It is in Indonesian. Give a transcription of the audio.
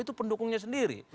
itu pendukungnya sendiri